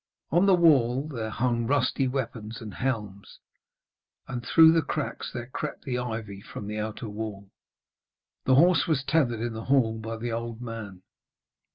On the wall there hung rusty weapons and helms, and through the cracks there crept the ivy from the outer wall. The horse was tethered in the hall by the old man.